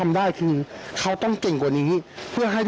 อันนี้เรารู้ตลอดว่า